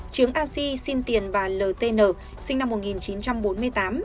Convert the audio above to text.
chiếng a c xin tiền bà l t n sinh năm một nghìn chín trăm bốn mươi tám